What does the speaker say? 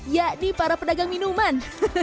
yakni para pedagang minuman